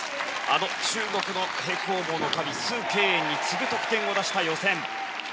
あの中国の平行棒の神スウ・ケイエンに次ぐ得点を出した予選。